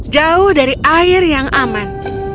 jauh dari air yang aman